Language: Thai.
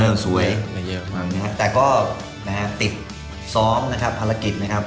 ดีมากนะครับแต่ก็นะครับติดซ้อมนะคะภารกิจนะครับ